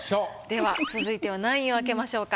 では続いては何位を開けましょうか？